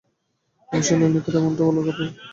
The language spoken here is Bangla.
অবশ্য লিনেকার এমনটা বলারই কথা।